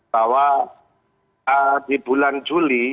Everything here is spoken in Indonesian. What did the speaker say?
bahwa di bulan juli